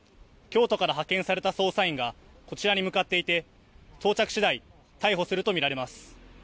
京都から派遣された捜査員がこちらに向かっていて到着しだい逮捕すると見られます。